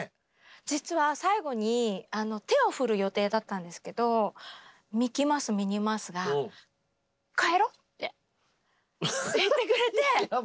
実は最後に手を振る予定だったんですけどミッキーマウスミニーマウスが「こうやろう！」って言ってくれて。